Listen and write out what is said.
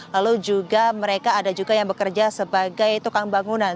lalu juga mereka ada juga yang bekerja sebagai tukang bangunan